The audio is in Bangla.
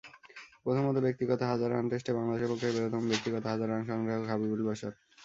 প্রথম ব্যক্তিগত হাজার রানটেস্টে বাংলাদেশের পক্ষে প্রথম ব্যক্তিগত হাজার রান সংগ্রাহক হাবিবুল বাশার।